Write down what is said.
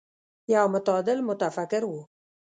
يو متعادل متفکر و.